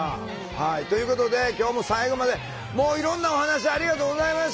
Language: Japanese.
はいということで今日も最後までいろんなお話ありがとうございました。